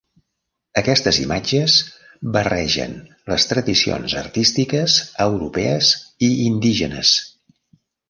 Aquestes imatges barregen les tradicions artístiques europees i indígenes.